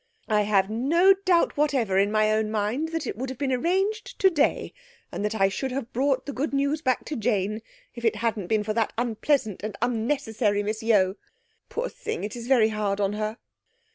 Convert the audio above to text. I have no doubt whatever in my own mind that it would have been arranged today, and that I should have brought the good news back to Jane, if it hadn't been for that unpleasant and unnecessary Miss Yeo. Poor thing! It is very hard on her.'